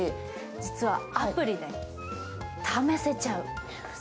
実はアプリで試せちゃう。